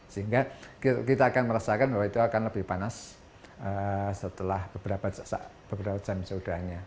sehingga kita akan merasakan bahwa itu akan lebih panas setelah beberapa jam seudahnya